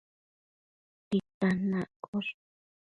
titan accosh